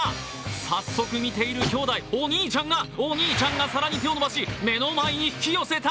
早速見ている兄弟、お兄ちゃんが更に手を伸ばし、目の前に引き寄せた。